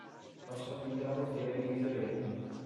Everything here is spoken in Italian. Passò quindi alla bottega di Guido Reni.